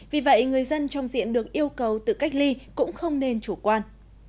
vì vậy người dân trong diện được yêu cầu tự cách ly cũng không nên chủ quan